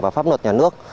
và pháp luật nhà nước